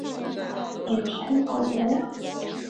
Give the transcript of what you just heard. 李添保人。